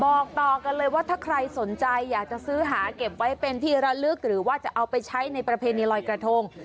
บอกต่อกันเลยว่าถ้าใครสนใจอยากจะซื้อหาเก็บไว้เป็นที่ระลึกหรือว่าจะเอาไปใช้ในประเพณีลอยกระทง